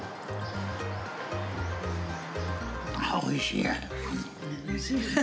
おいしい。